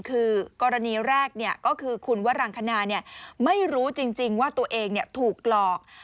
คือกรณีแรกก็คือคุณวรังคณาไม่รู้จริงว่าตัวเองถูกหลอก